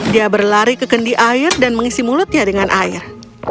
dia berlari ke kendi air dan mengisi mulutnya dengan air